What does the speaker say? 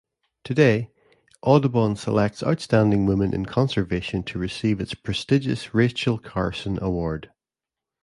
Today, Audubon selects outstanding women in conservation to receive its prestigious Rachel Carson Award.